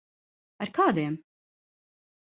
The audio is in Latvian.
Ar kādiem?